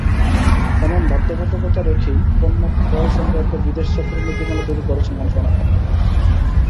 এমন বাধ্যবাধকতা রেখেই পণ্য ক্রয়সংক্রান্ত বিদেশ সফরের নীতিমালা তৈরি করেছে মন্ত্রণালয়।